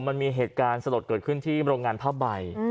มันมีเหตุการณ์สลดเกิดขึ้นที่โรงงานผ้าใบ